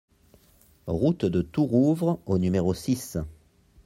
Route de Tourouvre au numéro six